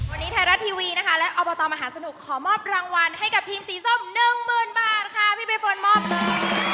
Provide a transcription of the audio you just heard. วันนี้ไทยรัฐทีวีนะคะและอบตมหาสนุกขอมอบรางวัลให้กับทีมสีส้มหนึ่งหมื่นบาทค่ะพี่ใบพลมอบเลย